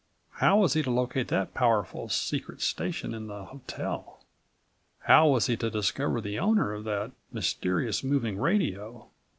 How was he to locate that powerful secret station in the hotel? How35 was he to discover the owner of that mysterious moving radio?